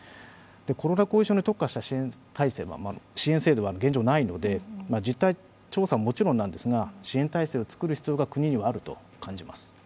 コロナ後遺症に特化した支援制度が現状ないので、実態調査ももちろんなんですが、支援体制を作る必要が国にはあると感じます。